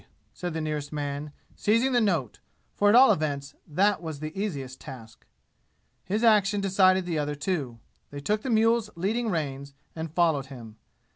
said the nearest man, seizing the note, for at all events that was the easiest task. His action decided the other two. They took the mules' leading reins and followed him.